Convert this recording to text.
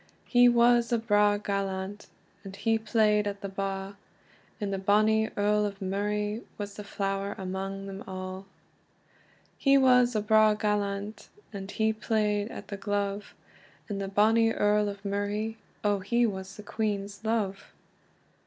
He was a braw gallant, And he playd at the ba; And the bonny Earl of Murray, Was the flower amang them a'. He was a braw gallant, And he playd at the glove; And the bonny Earl of Murray, Oh he was the Queen's love!